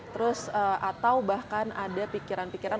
terus atau bahkan ada pikiran pikiran